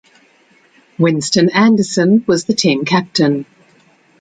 Winston Anderson was the team captain.